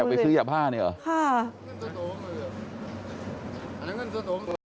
ยาไปซื้อยาบ้านี่หรอ